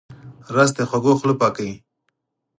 رس د خوږو خوله پاکوي